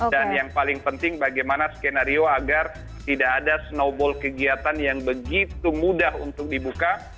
dan yang paling penting bagaimana skenario agar tidak ada snowball kegiatan yang begitu mudah untuk dibuka